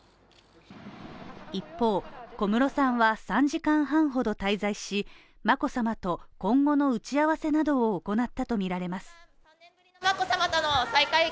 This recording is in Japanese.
一方、小室さんは３時間半ほど滞在し、眞子さまと今後の打ち合わせなどを行ったとみられます。